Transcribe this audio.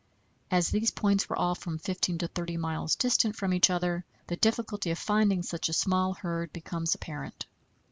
As these points were all from 15 to 30 miles distant from each other, the difficulty of finding such a small herd becomes apparent.